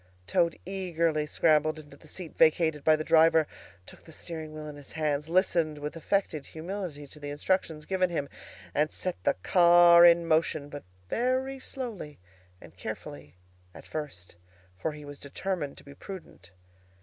Toad eagerly scrambled into the seat vacated by the driver, took the steering wheel in his hands, listened with affected humility to the instructions given him, and set the car in motion, but very slowly and carefully at first, for he was determined to be prudent.